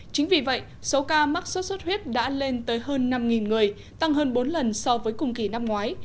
chính vì vậy số ca mắc sốt xuất huyết đã lên tới hơn năm người tăng hơn bốn lần so với cùng kỳ năm ngoái